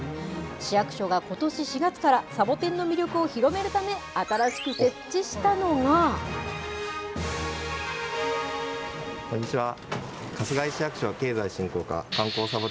市役所がことし４月からサボテンの魅力を広めるため、新しく設置こんにちは。